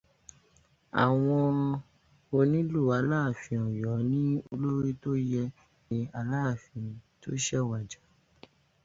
Àwọn onílù Aláàfin Ọ̀yọ́ ní olórí tó yẹ ní Aláàfin tó ṣẹ̀ wàjà.